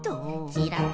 ちらっ。